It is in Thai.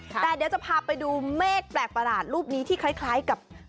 แต่เดี๋ยวจะพาไปดูเมฆแปลกประหลาดรูปนี้ที่คล้ายกับ